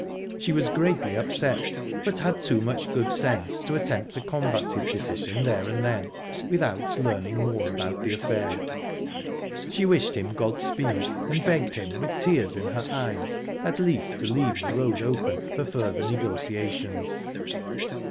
She was greatly upset, but had too much good sense to attempt to combat his decision there and then, without learning more about the affair. She wished him godspeed, and begged him, with tears in her eyes, at least to leave the road open for future negotiations.